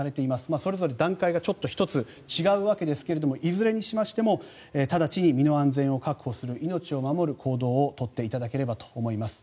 それぞれ段階がちょっと１つ、違うわけですがいずれにしましても直ちに身の安全を確保する命を守る行動を取っていただければと思います。